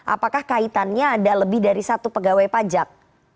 apakah kaitannya ada lebih dari satu pegawai pajak